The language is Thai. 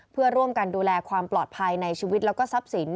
เพื่อร่วมกันดูแลความปลอดภัยในชีวิตและซับสิน